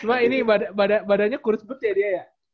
cuma ini badannya kurus seperti ya dia ya